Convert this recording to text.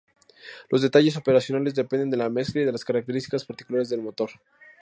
Los detalles operacionales dependen de la mezcla y de las características particulares del motor.